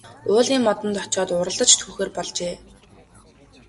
Уулын модонд очоод уралдаж түүхээр болжээ.